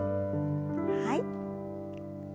はい。